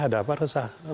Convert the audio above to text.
ada apa resah